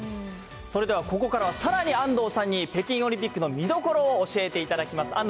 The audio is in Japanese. それでは、ここからはさらに安藤さんに、北京オリンピックの見どころを教えていただきます。